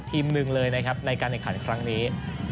ทีมหนึ่งเลยนะครับในการแข่งขันครั้งนี้